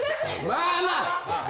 まあまあ。